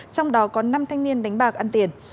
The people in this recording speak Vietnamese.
trong đó có năm thanh niên đánh bạc ăn tiền